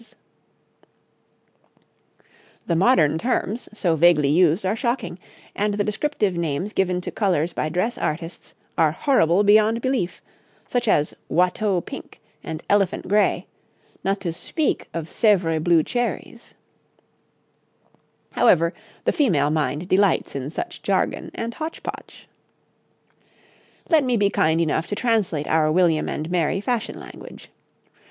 [Illustration: {Two women of the time of William and Mary}] The modern terms so vaguely used are shocking, and the descriptive names given to colours by dress artists are horrible beyond belief such as Watteau pink and elephant grey, not to speak of Sèvres blue cherries. However, the female mind delights in such jargon and hotch potch. Let me be kind enough to translate our William and Mary fashion language.